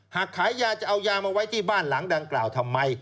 หากขายยาจะเอายามาไว้ที่บ้านหลังดังกล่าวทำไม